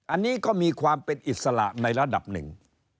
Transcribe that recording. อันนี้ก็มีความเป็นอิสระในระดับหนึ่ง